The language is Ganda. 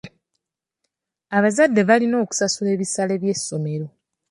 Abazadde balina okusasula ebisale by'essomero.